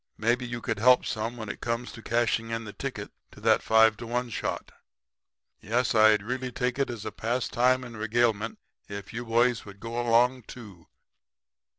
Maybe you could help some when it comes to cashing in the ticket to that 5 to 1 shot. Yes, I'd really take it as a pastime and regalement if you boys would go along too.'